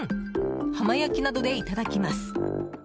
浜焼きなどでいただきます。